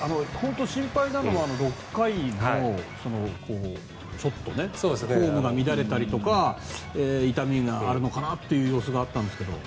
心配なのが６回のちょっとフォームが乱れたりとか痛みがあるのかなという様子があったんですが。